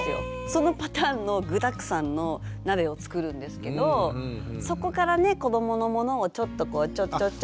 そのパターンの具だくさんの鍋を作るんですけどそこからね子どものものをちょっとこうちょちょちょっと。